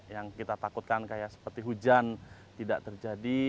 yang kita takutkan kayak seperti hujan tidak terjadi